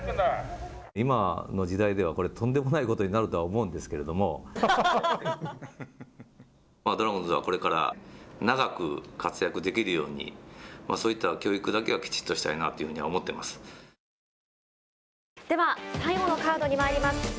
今の時代では、とんでもないことになるとは思うんですけれども、ドラゴンズはこれから長く活躍できるように、そういった教育だけはきちっとしないなというふうにでは最後のカードにまいります。